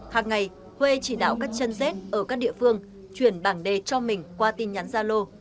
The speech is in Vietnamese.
hàng ngày huê chỉ đạo các chân dết ở các địa phương chuyển bảng đề cho mình qua tin nhắn gia lô